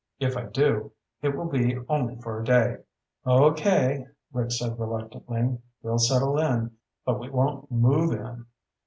If I do, it will be only for a day." "Okay," Rick said reluctantly. "We'll settle in, but we won't move in.